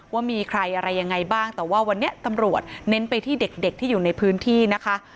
ว่ามีใครอะไรยังไงบ้างแต่ว่าวันนี้ตำรวจเน้นไปที่เด็กที่อยู่ในพื้นที่นะคะ